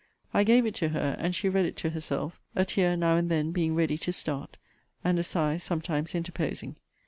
I gave it to her, and she read it to herself; a tear now and then being ready to start, and a sigh sometimes interposing.